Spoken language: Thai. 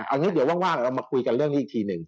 เอางี้เดี๋ยวว่างเรามาคุยกันเรื่องนี้อีกทีหนึ่ง